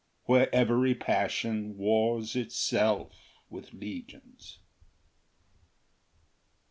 Where every passion wars itself with legions.